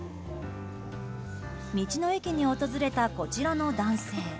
道の駅に訪れたこちらの男性